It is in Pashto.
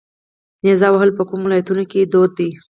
نیزه وهل په کومو ولایتونو کې دود دي؟